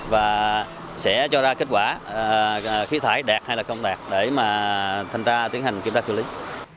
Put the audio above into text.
và sẽ cho ra kết quả khí thải đạt hay là công đạt để mà thanh tra tiến hành kiểm tra xử lý